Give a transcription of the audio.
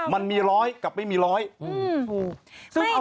มันมี๑๐๐ปีกับไม่มี๑๐๐ปี